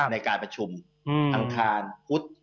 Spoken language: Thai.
ในการประชุมอังคารพุธ